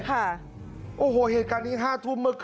โอ้โหเหตุการณ์นี้๕ทุ่มเมื่อคืน